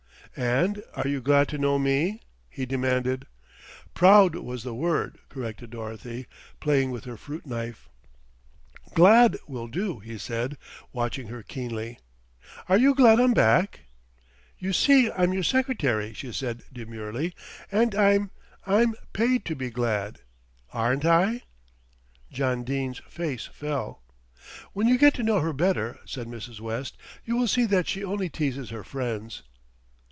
"And are you glad to know me?" he demanded "'Proud' was the word," corrected Dorothy, playing with her fruit knife. "'Glad' will do," he said, watching her keenly. "Are you glad I'm back." "'You see I'm your secretary," she said demurely, "and I'm I'm paid to be glad, aren't I?" John Dene's face fell. "When you get to know her better," said Mrs. West, "you will see that she only teases her friends."